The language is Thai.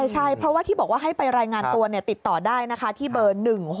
ใช่เพราะว่าที่บอกว่าให้ไปรายงานตัวติดต่อได้นะคะที่เบอร์๑๖๖